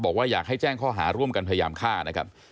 บอกว่าอยากให้แจ้งข้อหาร่วมกันพยายามฆ่านะครับ